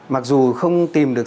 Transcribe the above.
mặc dù không tìm được